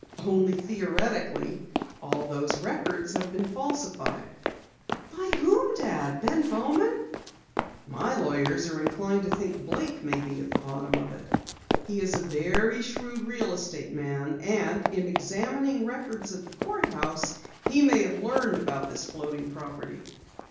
"Only theoretically. All those records have been falsified." "By whom, Dad? Ben Bowman?" "My lawyers are inclined to think Blake may be at the bottom of it. He is a very shrewd real estate man, and in examining records at the court house, he may have learned about this floating property."